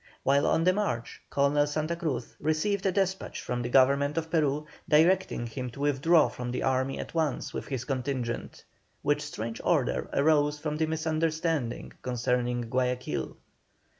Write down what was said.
While on the march Colonel Santa Cruz received a despatch from the Government of Peru directing him to withdraw from the army at once with his contingent, which strange order arose from the misunderstanding concerning Guayaquil.